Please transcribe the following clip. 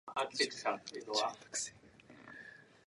Your crime is organized, but your police is not.